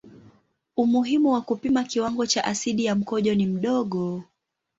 Umuhimu wa kupima kiwango cha asidi ya mkojo ni mdogo.